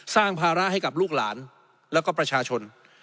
ภาระให้กับลูกหลานแล้วก็ประชาชน